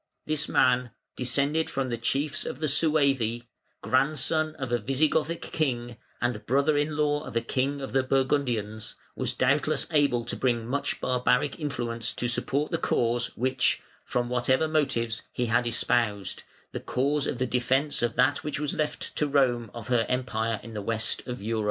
This man, descended from the chiefs of the Suevi, grandson of a Visigothic king, and brother in law of a king of the Burgundians, was doubtless able to bring much barbaric influence to support the cause which, from whatever motives, he had espoused, the cause of the defence of that which was left to Rome of her Empire in the West of Europe.